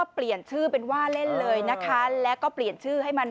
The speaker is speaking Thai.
พี่พัดส